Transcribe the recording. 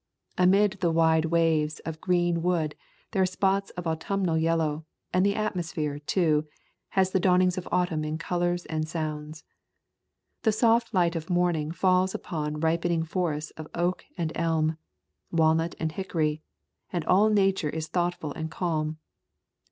Amid the wide waves of green wood there are spots of autumnal yellow and the atmosphere, too, has the dawn ings of autumn in colors and sounds. The soft light of morning falls upon ripening forests of oak and elm, walnut and hickory, and all Na ture is thoughtful and calm.